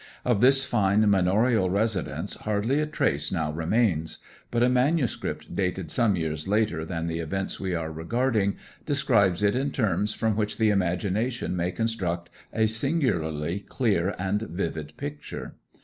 Of this fine manorial residence hardly a trace now remains; but a manuscript dated some years later than the events we are regarding describes it in terms from which the imagination may construct a singularly clear and vivid picture.